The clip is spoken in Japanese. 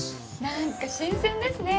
なんか新鮮ですね！